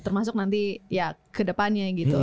termasuk nanti ya kedepannya gitu